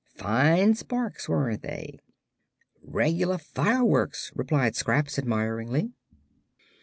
Fine sparks, weren't they?" "Reg'lar fireworks," replied Scraps, admiringly.